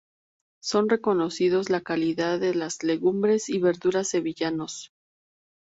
Son reconocidos la calidad de las legumbres y verduras sevillanos.